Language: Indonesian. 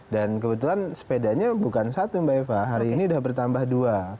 dan kebetulan sepedanya bukan satu mbak eva hari ini sudah bertambah dua